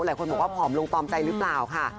หลายคนบอกว่าผอมลงตอมใจหรือเปล่าค่ะ